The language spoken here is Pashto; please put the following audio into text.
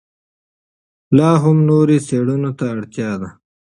لا هم نورو څېړنو ته اړتیا ده.